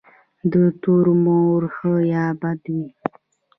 د تومور ښه یا بد وي.